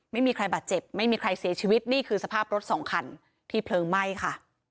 ไม่มีใครบาดเจ็บไม่มีใครเสียชีวิตนี่คือสภาพรถสองคันที่เพลิงไหม้ค่ะ